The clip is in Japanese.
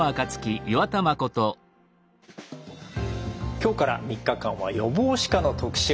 今日から３日間は予防歯科の特集です。